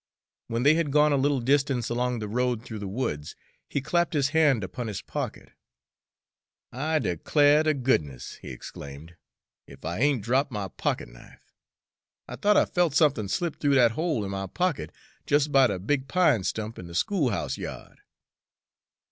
When they had gone a little distance along the road through the woods, he clapped his hand upon his pocket. "I declare ter goodness," he exclaimed, "ef I ain't dropped my pocket knife! I thought I felt somethin' slip th'ough dat hole in my pocket jes' by the big pine stump in the schoolhouse ya'd.